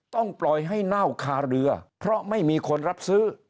ปล่อยให้เน่าคาเรือเพราะไม่มีคนรับซื้อ